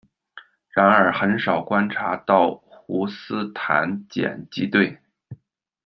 然而，很少观察到胡斯坦碱基对。